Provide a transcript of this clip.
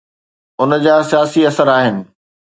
ان جا سياسي اثر آهن.